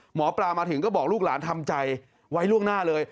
หมอปลามาถึงก็บอกลูกหลานทำใจไว้ล่วงหน้าเลย